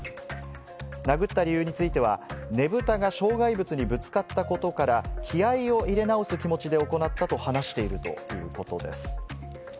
殴った理由については、ねぶたが障害物にぶつかったことから、気合を入れ直す気持ちで行ったと話しているということです。